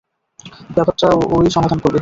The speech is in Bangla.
ব্যাপারটা ও-ই সমাধান করবে, হুইপ।